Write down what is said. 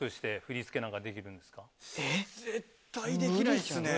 えっ？絶対できないですね。